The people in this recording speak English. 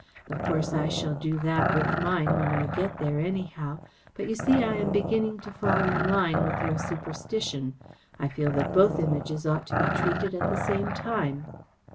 Of course, I shall do that with mine when I get there, anyhow, but you see I am beginning to fall in line with your superstition. I feel that both Images ought to be treated at the same time."